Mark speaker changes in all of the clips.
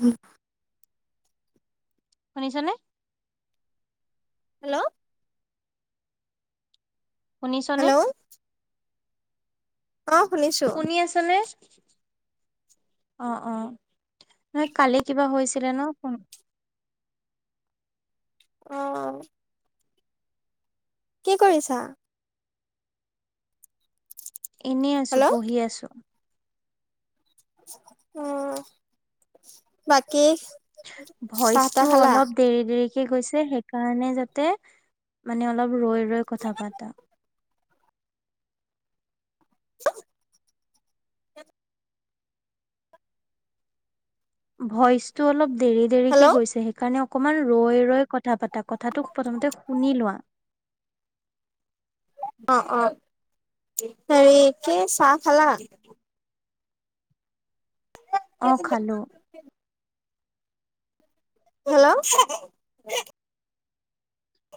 Speaker 1: উম।
Speaker 2: শুনিছনে?
Speaker 1: হেল্ল',
Speaker 2: শুনিছনে?
Speaker 1: অ শুনিছো।
Speaker 2: শুনি আছনে? অ অ নহয় কালি কিবা হৈছিলে ন ফোন।
Speaker 1: অ। কি কৰিছা?
Speaker 2: এনে আছো
Speaker 1: হেল্ল'
Speaker 2: বহি আছো।
Speaker 1: উম বাকী চাহ তাহ
Speaker 2: ভইচতটো
Speaker 1: খালা
Speaker 2: অলপ দেৰি দেৰি শিকে গৈছে সেইকাৰণে যাতে মানে অলপ ৰৈ ৰৈ কথা পাতা।
Speaker 1: [unintelligible]
Speaker 2: ভইচটো অলপ দেৰি দেৰিকে
Speaker 1: হেল্ল'
Speaker 2: গৈছে সেইকাৰণে অকমান ৰৈ ৰৈ কথা পাতা কথাটো প্ৰথমতে শুনি লোৱা।
Speaker 1: অ অ হেৰি কি চাহ খালা?
Speaker 2: অ খালো।
Speaker 1: হেল্ল'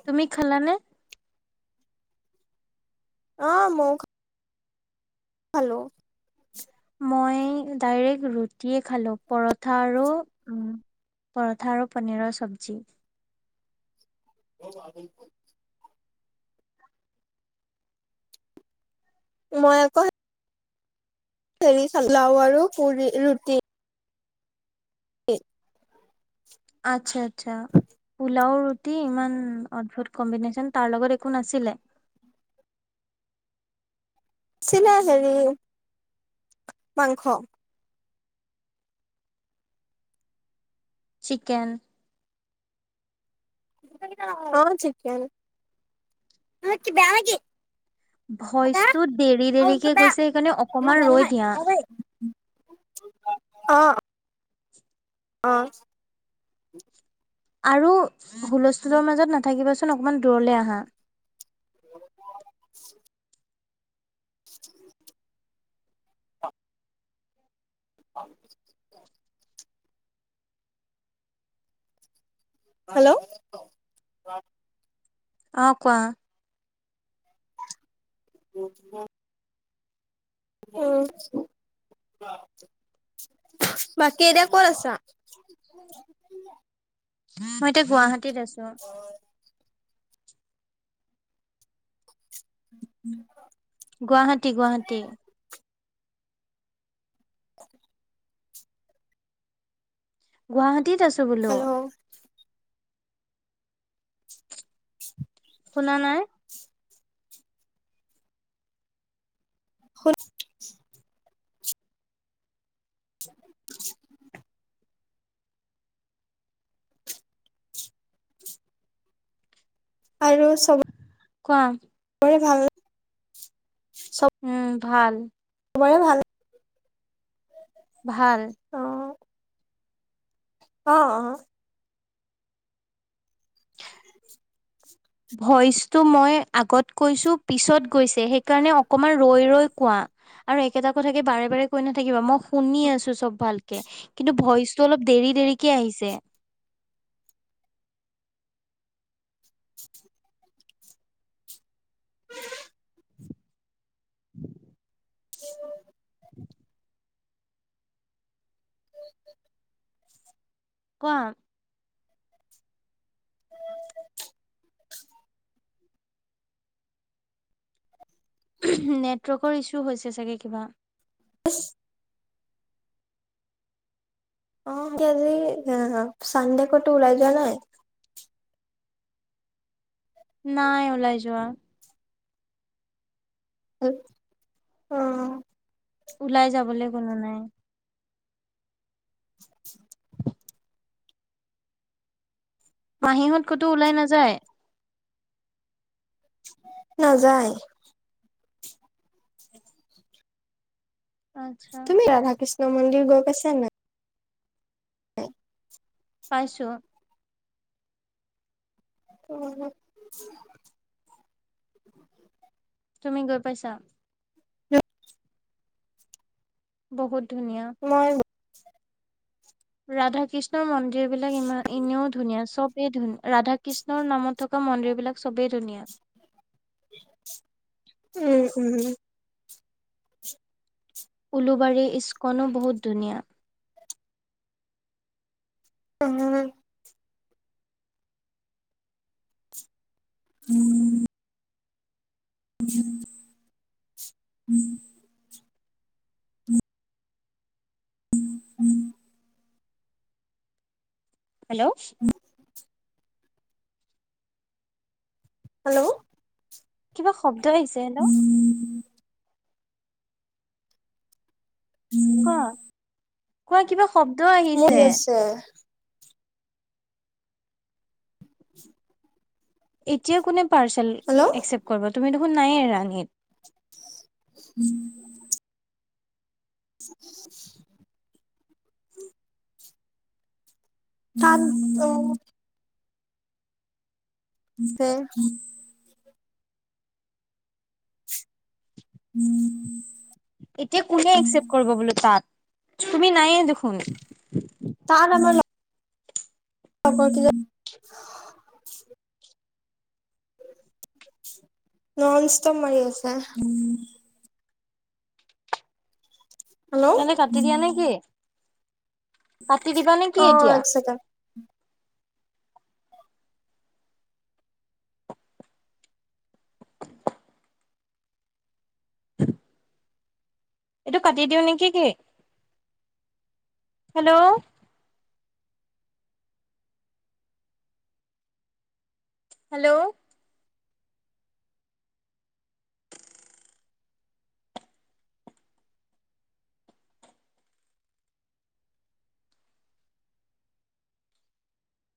Speaker 2: তুমি খালা নে?
Speaker 1: অ ময়ো খালো।
Speaker 2: মই ডাইৰেক্ট ৰুটিয়ে খালোঁ পৰঠা আৰু পৰঠা আৰু পনীৰৰ চব্জি
Speaker 1: [unintelligible] মই আকৌ সৰি খালো লাও আৰু পুৰি, ৰুটি টি
Speaker 2: আচ্ছা আচ্ছা পুলাও ৰু টি ইমান অদ্ভুত কম্বিনেচন তাৰ লগত একো নাছিলে?
Speaker 1: আছিলে হেৰি মাংস
Speaker 2: চিকেন
Speaker 1: অ চিকেন।
Speaker 2: ভইচটো দেৰি দেৰিকে গৈছে সেইকাৰণে অকমান ৰৈ দিয়া।
Speaker 1: অ আহ
Speaker 2: আৰু হুলস্থুলৰ মাজত নাথাকিবাচোন অকণমান দূৰলৈ আহা।
Speaker 1: [unintelligible] [unintelligible] [unintelligible] হেল্ল'
Speaker 2: অ কোৱা
Speaker 1: [unintelligible] আহ বাকী এতিয়া কত আছা?
Speaker 2: মই এতিয়া গুৱাহাটী টিত আছো।
Speaker 1: [inaudible] [unintelligible]
Speaker 2: গুৱাহাটী গুৱাহাটী
Speaker 1: [inaudible]
Speaker 2: গুৱাহাটী টিত আছো বোলো।
Speaker 1: হেল্ল'
Speaker 2: শুনা নাই
Speaker 1: সুত [inaudible] আৰু চব
Speaker 2: কোৱা
Speaker 1: ভাল
Speaker 2: উম ভাল
Speaker 1: সবৰে ভাল
Speaker 2: ভাল
Speaker 1: অঁ অঁ
Speaker 2: ভইচটো মই আগত কৈছো পিছত গৈছে সেইকাৰণে অকণমান ৰৈ ৰৈ কোৱা আৰু একেটা কথাকে বাৰে বাৰে কৈ নাথাকিবা মই শুনি আছো চব ভালকে কিন্তু ভইচটো অলপ দেৰি দেৰিকে আহিছে।
Speaker 1: [unintelligible]
Speaker 2: কোৱা নেটৱৰ্কৰ ইছু হৈছে চাগে কিবা।
Speaker 1: [inaudible] অ, এয়া আজি চানডে কতো ওলাই যোৱা নাই
Speaker 2: নাই ওলাই যোৱা
Speaker 1: অঁ
Speaker 2: ওলাই যাবলৈ কোনো নাই মাহীহঁতৰ ক'তো ওলাই নাযায়
Speaker 1: নাযায়।
Speaker 2: আচ্ছা
Speaker 1: তুমি ৰাধাকৃষ্ণ মন্দিৰ গৈ পাইছা নাই [inaudible]
Speaker 2: পাইছোঁ।
Speaker 1: উম
Speaker 2: তুমি গৈ পাইছা
Speaker 1: [unintelligible]
Speaker 2: বহুত ধুনীয়া
Speaker 1: মই
Speaker 2: ৰাধাকৃষ্ণৰ মন্দিৰ এইবিলাক ইমান এনেও ধুনীয়া চব [unintelligible] ৰাধাকৃষ্ণৰ নামত থকা মন্দিৰবিলাক চবেই ধুনীয়া
Speaker 1: উম উম
Speaker 2: উলোবাৰীৰ স্কনো বহুত ধুনীয়া
Speaker 1: উম [unintelligible] উম উম উম
Speaker 2: হেল্ল'
Speaker 1: হেল্ল'
Speaker 2: কিবা শব্দ ত আহছে হেল্ল ক কোৱা কিবা শব্দ আহিছে
Speaker 1: মোৰ আছে [inaudible]
Speaker 2: এতিয়া কোনে পাৰ্চেল
Speaker 1: হেল্ল'
Speaker 2: একচেপ কৰিব তুমি নায় ৰাঙীত
Speaker 1: উম [inaudible] তাত অঁ ছে উম
Speaker 2: এতিয়া কোনে একচেপ্ট কৰিব বোলো তাত তুমি নাই দেখোন
Speaker 1: ত কি য নন ইছটোপ মি আছে হেল্ল'
Speaker 2: তেনে কাটি দিয়া নে কি পাতি দিবা নেকি
Speaker 1: অ
Speaker 2: এতিয়া
Speaker 1: এক ছেকেণ্ড
Speaker 2: [inaudible] এইটো কাটি দিওঁ নেকি কি হেল্ল' হেল্ল'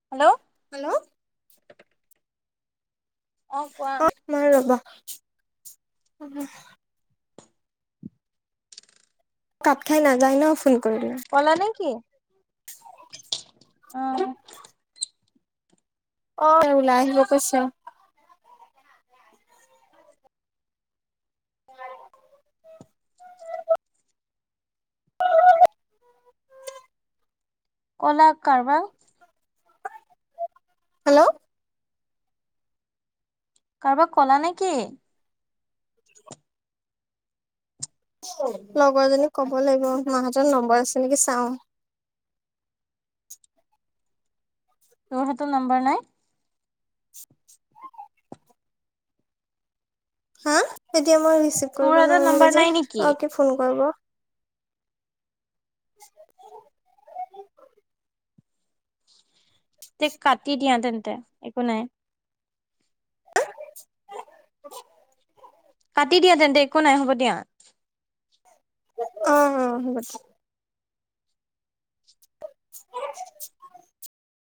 Speaker 2: হেল্ল'
Speaker 1: হেল্ল'
Speaker 2: অঁ কোৱা
Speaker 1: উম কাট খাই নাযায় ন ফোন কৰিম
Speaker 2: কলা নেকি
Speaker 1: [inaudible]
Speaker 2: অঁ
Speaker 1: অঁ ওলাই আহিব কৈছে।
Speaker 2: কলা কাৰবাৰ
Speaker 1: হেল্ল'
Speaker 2: কাৰোবাৰ কলা নেকি?
Speaker 1: [inaudible] লগৰ জনীক কব লাগিব মাহতৰ নম্বৰ আছে নেকি চাওঁ।
Speaker 2: তোৰহাটৰ নাম্বাৰ নাই।
Speaker 1: [inaudible] হা এতিয়া মই ৰিচিভ
Speaker 2: তোৰ
Speaker 1: কৰিব
Speaker 2: হাতত নম্বৰ
Speaker 1: নোৱাৰিমগে যে
Speaker 2: নাই নেকি
Speaker 1: আৰু কি ফোন কৰিব। [inaudible]
Speaker 2: তে কাটি দিয়া তেন্তে তে একো নাই।
Speaker 1: [inaudible]
Speaker 2: কাটি দিয়া তেন্তে একো নাই হ'ব দিয়া।
Speaker 1: অ', হ'ব দি [inaudible]